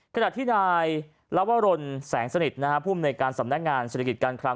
ขณะที่นายลาวาโรนแสงสนิทผู้บำเนยการสำนักงานศิลิกิจการคลาม